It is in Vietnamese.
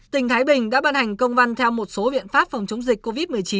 tỉnh thái bình đã ban hành công văn theo một số biện pháp phòng chống dịch covid một mươi chín